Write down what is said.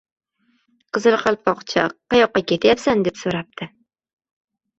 — Qizil Qalpoqcha, qayoqqa ketyapsan? — deb soʻrabdi